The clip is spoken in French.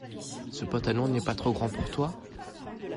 Ce pantalon n’est pas trop grand pour toi ?